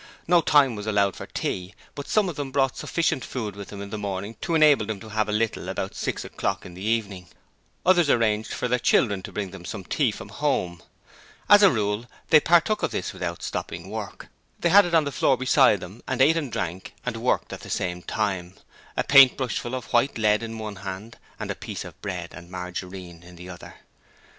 No time was allowed for tea, but some of them brought sufficient food with them in the morning to enable them to have a little about six o'clock in the evening. Others arranged for their children to bring them some tea from home. As a rule, they partook of this without stopping work: they had it on the floor beside them and ate and drank and worked at the same time a paint brushful of white lead in one hand, and a piece of bread and margarine in the other.